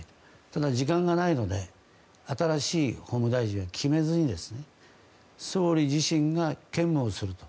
ただ、時間がないので新しい法務大臣を決めずに総理自身が兼務をすると。